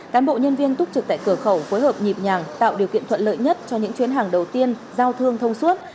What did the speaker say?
cán bộ nhân viên túc trực tại cửa khẩu phối hợp nhịp nhàng tạo điều kiện thuận lợi nhất cho những chuyến hàng đầu tiên giao thương thông suốt